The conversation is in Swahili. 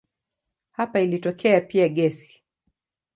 Hapa ilitokea pia gesi.